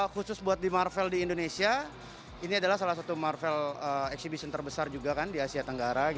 khusus buat di marvel di indonesia ini adalah salah satu marvel exhibition terbesar juga kan di asia tenggara